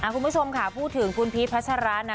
คุณผู้ชมค่ะพูดถึงคุณพีชพัชระนะ